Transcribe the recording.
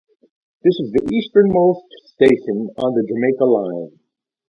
This is the easternmost station on the Jamaica Line.